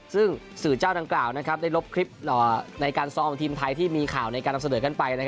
ซึ่งสื่อเจ้าดังกล่าวได้ลบคลิปในการซองทีมไทยที่มีข่าวในการนำเสนอกันไป